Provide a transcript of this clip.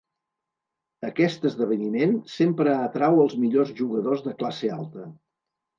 Aquest esdeveniment sempre atrau els millors jugadors de classe alta.